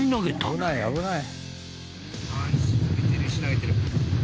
危ない危ない！